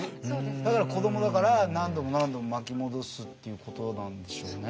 だから子供だから何度も何度も巻き戻すっていうことなんでしょうね。